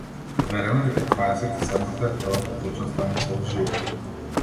Уверена дека дваесет и седмата е првата клучна станица во животот.